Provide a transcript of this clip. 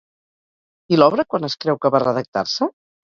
I l'obra quan es creu que va redactar-se?